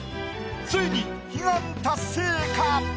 ついに悲願達成か⁉